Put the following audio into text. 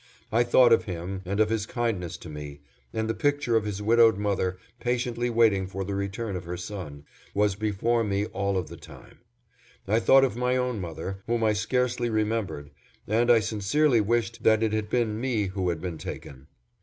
I thought of him, and of his kindness to me; and the picture of his widowed mother, patiently waiting the return of her son, was before me all of the time. I thought of my own mother, whom I scarcely remembered, and I sincerely wished that it had been me who had been taken.